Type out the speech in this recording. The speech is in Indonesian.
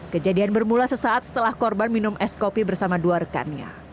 kejadian bermula sesaat setelah korban minum es kopi bersama dua rekannya